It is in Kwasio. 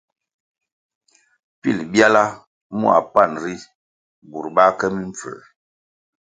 Pil byala mua panʼ ri, burʼ bā ke mimpfū.